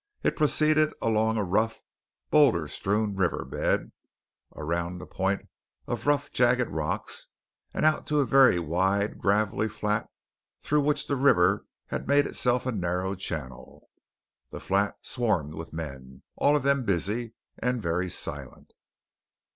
It proceeded along a rough, boulder strewn river bed, around a point of rough, jagged rocks, and out to a very wide gravelly flat through which the river had made itself a narrow channel. The flat swarmed with men, all of them busy, and very silent.